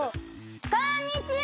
こんにちは！